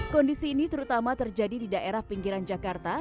kondisi ini terutama terjadi di daerah pinggiran jakarta